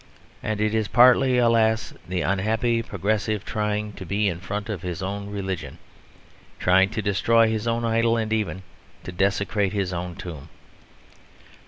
And it is partly, alas, the unhappy Progressive trying to be in front of his own religion, trying to destroy his own idol and even to desecrate his own tomb.